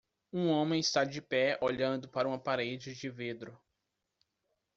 Um homem está de pé olhando para uma parede de vidro.